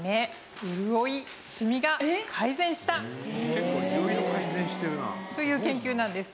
結構色々改善してるな。という研究なんです。